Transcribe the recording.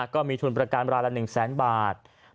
ก็มีทุนประกันเวลาละ๑แสนบาท